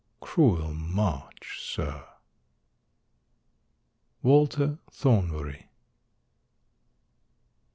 Cruel March, Sir! —Walter Thornbury.